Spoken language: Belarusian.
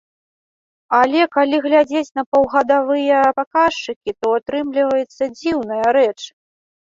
Але, калі глядзець на паўгадавыя паказчыкі, то атрымліваецца дзіўная рэч.